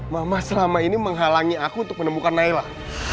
mama selama ini menghalangi aku untuk menemukan naila